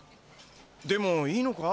でもいいのか？